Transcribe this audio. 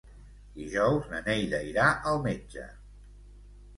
Dijous na Neida irà al metge.